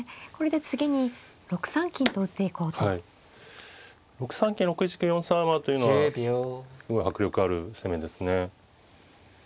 ６三金６一玉４三馬というのはすごい迫力ある攻めですね。